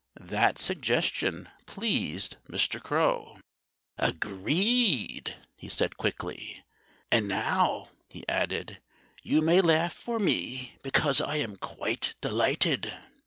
That suggestion pleased Mr. Crow. "Agreed!" he said quickly. "And now," he added, "you may laugh for me, because I am quite delighted."